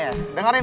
iya gue dengerin